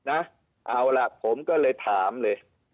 เอาล่ะผมก็เลยถามเลย